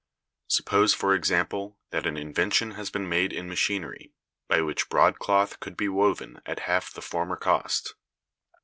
Suppose, for example, that an invention has been made in machinery, by which broadcloth could be woven at half the former cost.